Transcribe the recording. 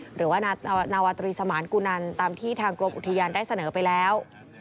หรือว่านาวาตรีสมานกุนันตามที่ทางกรมอุทยานได้เสนอไปแล้ว